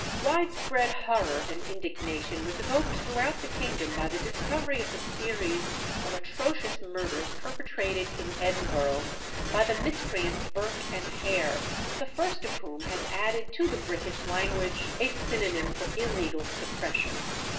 Widespread horror and indignation was evoked throughout the kingdom by the discovery of the series of atrocious murders perpetrated in Edinburgh by the miscreants Burke and Hare, the first of whom has added to the British language a synonym for illegal suppression.